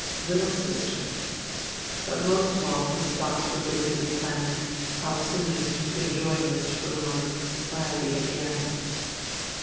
"Little sister!" But most of all his thoughts were busy with planning how soonest to enjoy Miss Spoelmann's society again.